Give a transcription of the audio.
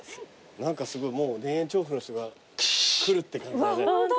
何かすごい田園調布の人が来るって感じだね。